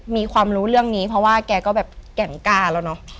มีความรู้เรื่องนี้เพราะว่าแกก็แบบแก่งกล้าแล้วเนอะ